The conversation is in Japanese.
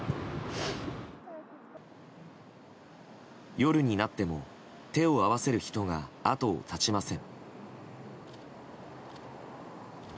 夜になっても手を合わせる人が後を絶ちません。